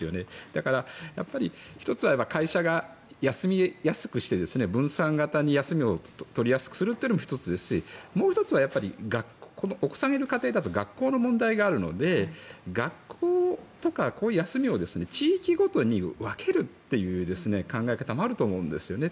だから、１つは会社が休みやすくして分散型に休みを取りやすくするというのも１つですし、もう１つはお子さんがいる家庭だと学校の問題があるので学校とか休みを地域ごとに分けるという考え方もあると思うんですよね。